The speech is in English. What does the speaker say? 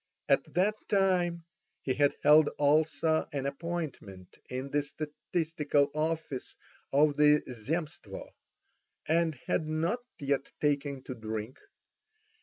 At that time he had held also an appointment in the statistical office of the Zemstvo, and had not yet taken to drink.